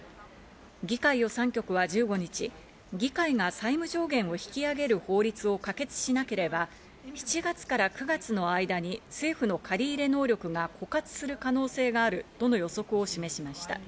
議会予算局は１５日、議会が債務上限を引き上げる法律を可決しなければ、７月から９月の間に政府の借り入れ能力が枯渇する可能性があるとの予測を示しました。